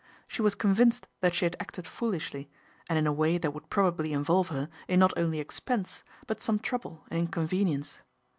She was con vinced that she had acted foolishly, and in a way that would probably involve her in not only ex pense, but some trouble and inconvenience.